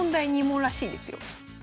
２問らしいですよ。